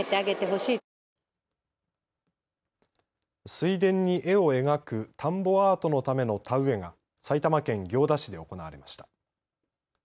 水田に絵を描く田んぼアートのための田植えが埼玉県行田市で行われました。